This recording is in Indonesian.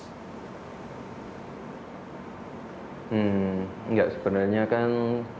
hmm nggak sebenarnya kan